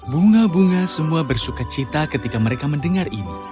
bunga bunga semua bersuka cita ketika mereka mendengar ini